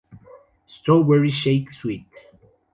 Strawberry Shake Sweet